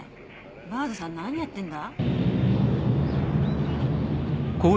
バードさん何やってんだ？